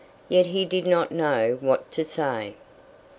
Yet he did not know what to say.